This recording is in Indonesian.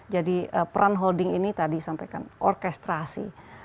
jadi peran holding ini tadi sampaikan orkestrasi